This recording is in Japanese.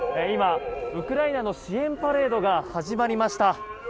今、ウクライナの支援パレードが始まりました。